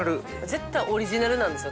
絶対オリジナルなんですよ